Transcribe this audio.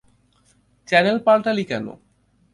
Channel পাল্টালি কেন?